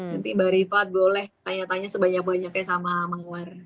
nanti mbak rifat boleh tanya tanya sebanyak banyaknya sama mawar